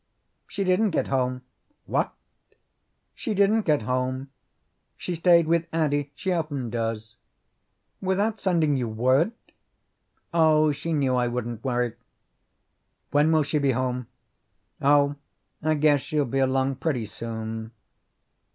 "She didn't get home." "What?" "She didn't get home. She stayed with Addie. She often does." "Without sending you word?" "Oh, she knew I wouldn't worry." "When will she be home?" "Oh, I guess she'll be along pretty soon."